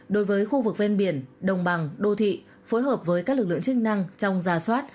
đối với khu vực ven biển đồng bằng đô thị phối hợp với các lực lượng chức năng trong giả soát